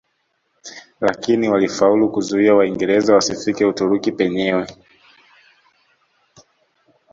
Lakini walifaulu kuzuia Waingereza wasifike Uturuki penyewe